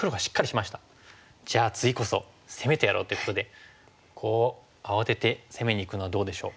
じゃあ次こそ攻めてやろうっていうことでこう慌てて攻めにいくのはどうでしょう？